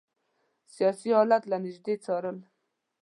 سیاسي حالات له نیژدې څارل.